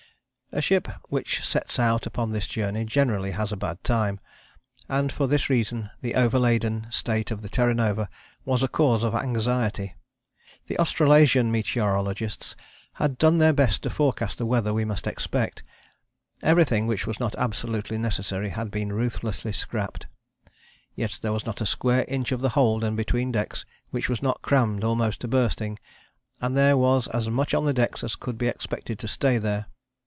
A ship which sets out upon this journey generally has a bad time, and for this reason the overladen state of the Terra Nova was a cause of anxiety. The Australasian meteorologists had done their best to forecast the weather we must expect. Everything which was not absolutely necessary had been ruthlessly scrapped. Yet there was not a square inch of the hold and between decks which was not crammed almost to bursting, and there was as much on the deck as could be expected to stay there.